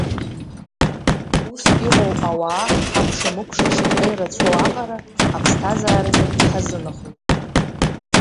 Ус иҟоу ауаа ҳакәша-мыкәша шаҟа ирацәоу аҟара, аԥсҭазаарагьы ҳазынахоит.